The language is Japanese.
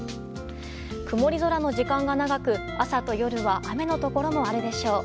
曇り空の時間が長く朝と夜は雨のところもあるでしょう。